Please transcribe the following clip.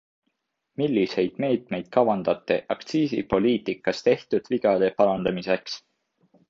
Milliseid meetmeid kavandate aktsiisipoliitikas tehtud vigade parandamiseks?